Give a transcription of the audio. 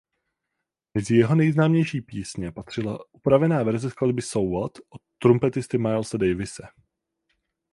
Mezi jeho nejznámější písně patřila upravená verze skladby „So What“ od trumpetisty Milese Davise.